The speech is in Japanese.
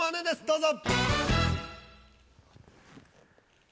どうぞ。